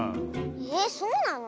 えっそうなの？